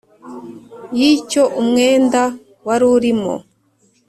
Y icyo umwenda waruri mo